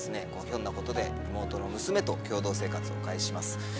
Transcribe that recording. ひょんなことで妹の娘と共同生活を開始します。